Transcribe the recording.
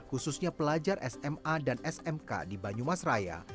khususnya pelajar sma dan smk di banyumasraya